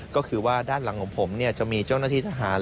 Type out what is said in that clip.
ก็คือว่าด้านหลังของผมจะมีเจ้าหน้าที่ทหาร